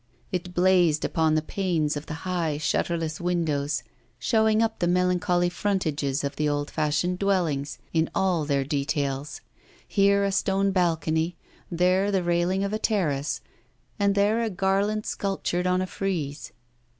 It blazed upon the panes of the high, shutterless windows, showing up the melancholy frontages of the old fashioned dwellings in all their details; here a stone balcony, there the railing of a terrace, and there a garland sculptured on a frieze.